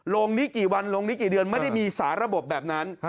ลงนี้กี่วันลงนี้กี่เดือนไม่ได้มีสาระบบแบบนั้น